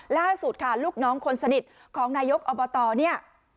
ล่าสุดค่ะลูกน้องคนสนิทของนายกอบตเนี่ย